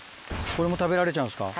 これも食べられちゃうんですか？